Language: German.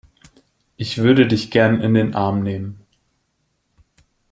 Ich würde dich gerne in den Arm nehmen.